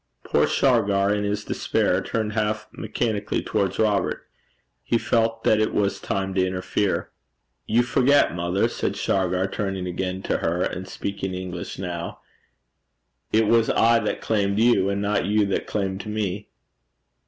Poor Shargar in his despair turned half mechanically towards Robert. He felt that it was time to interfere. 'You forget, mother,' said Shargar, turning again to her, and speaking English now, 'it was I that claimed you, and not you that claimed me.'